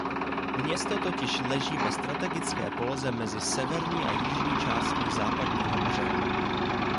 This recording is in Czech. Město totiž leží ve strategické poloze mezi severní a jižní částí Západního břehu.